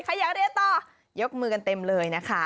ใครอยากเรียนต่อยกมือกันเต็มเลยนะคะ